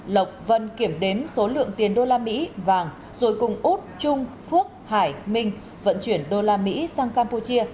lộc vân kiểm đếm số lượng tiền đô la mỹ vàng rồi cùng út trung phước hải minh vận chuyển đô la mỹ sang campuchia